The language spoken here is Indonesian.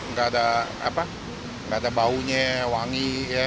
gak ada apa gak ada baunya wangi ya